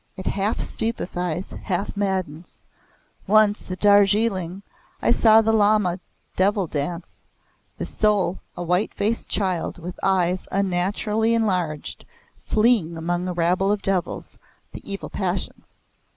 It half stupefies, half maddens. Once at Darjiling I saw the Lamas' Devil Dance the soul, a white faced child with eyes unnaturally enlarged, fleeing among a rabble of devils the evil passions.